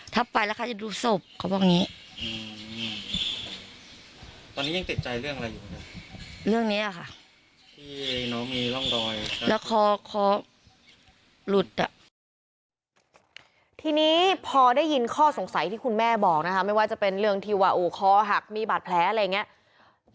ที่นี้พอได้ยินข้อสงสัยที่คุณแม่บอกในว่าจะเป็นเรื่องที่วะอู่คอหักมีบาดแพ้อะไรอย่างเงี้ย